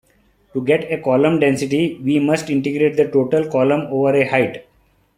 To get a column density, we must integrate the total column over a height.